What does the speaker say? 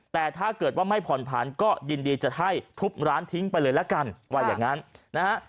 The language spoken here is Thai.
แต่ถ้าเกิดว่าไม่ผ่อนผันก็ยินดีจะให้ทุบร้านทิ้งไปเลยละกันว่าอย่างนั้นนะฮะ